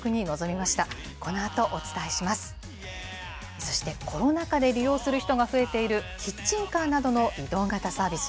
そしてコロナ禍で利用する人が増えているキッチンカーなどの移動型サービス。